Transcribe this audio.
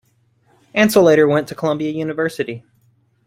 Ansel later went to Columbia University.